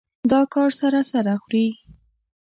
دا کار سر سره خوري.